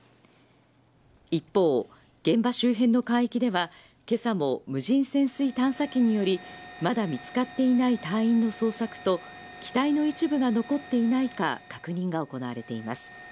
一方、現場周辺の海域では今朝も無人潜水探査機によりまだ見つかっていない隊員の捜索と機体の一部が残っていないか確認が行われています。